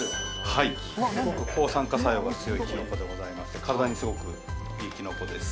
はいすごく抗酸化作用が強いきのこでございまして体にすごくいいきのこです・